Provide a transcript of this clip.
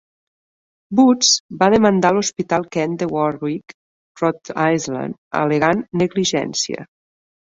Woods va demandar l'hospital Kent de Warwick (Rhode Island) al·legant negligència.